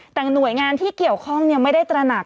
แต่หน่วยงานที่เกี่ยวข้องไม่ได้ตระหนัก